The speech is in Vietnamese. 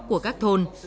của các thôn